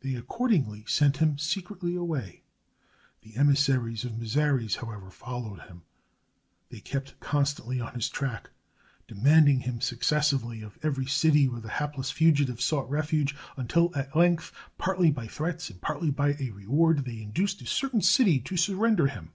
They accordingly sent him secretly away. The emissaries of Mazares, however, followed him. They kept constantly on his track, de manding him successively of every city where the hapless fugitive sought refuge, until, at length, partly by threats and partly by a reward, they induced a certain city to surrender him.